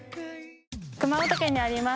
熊本県にあります